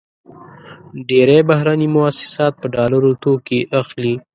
ډېری بهرني موسسات په ډالرو توکې اخلي.